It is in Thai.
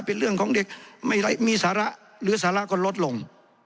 เป็นเรื่องของเด็กไม่มีสาระหรือสาระก็ลดลง